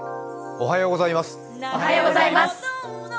おはようございます。